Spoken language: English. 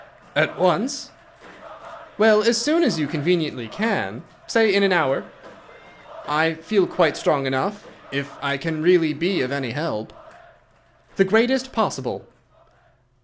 "At once?" "Well, as soon as you conveniently can. Say in an hour." "I feel quite strong enough, if I can really be of any help." "The greatest possible."